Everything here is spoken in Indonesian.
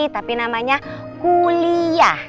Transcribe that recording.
tapi namanya kuliah